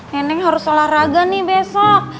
neneng harus olahraga nih besok